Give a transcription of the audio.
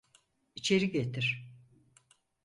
İçeri getir.